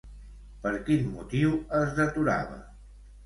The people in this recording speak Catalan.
Per quin motiu es deturava?